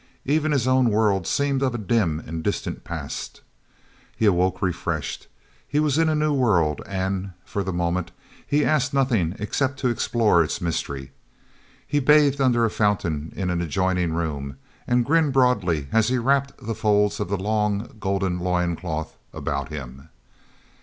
Even his own world seemed of a dim and distant past. e awoke refreshed. He was in a new world and, for the moment, he asked nothing except to explore its mystery. He bathed under a fountain in an adjoining room, and grinned broadly as he wrapped the folds of the long golden loin cloth about him.